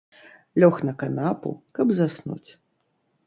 Лёг на канапу, каб заснуць.